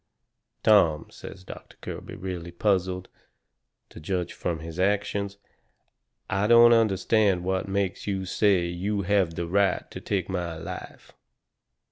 "Tom," says Doctor Kirby, really puzzled, to judge from his actions, "I don't understand what makes you say you have the right to take my life."